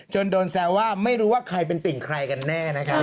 โดนแซวว่าไม่รู้ว่าใครเป็นติ่งใครกันแน่นะครับ